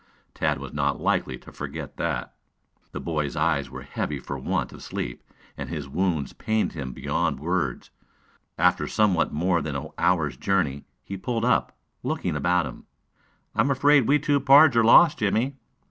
Tad was not likely to forget that. The boy's eyes were heavy for want of sleep and his wounds pained him beyoud words. After somewhat more than an hour's journey he pulled up, looking about him. "I am afraid we two pards are lost, Jimmie."